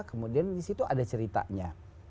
kemudian di situ ada ceritanya